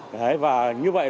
đấy và như vậy